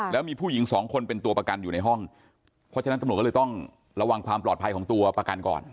แล้วมีผู้หญิงสองคนเป็นตัวประกันอยู่ในห้องเพราะฉะนั้นตำรวจก็เลยต้องระวังความปลอดภัยของตัวประกันก่อน